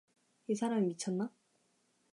이 사람이 미쳤나?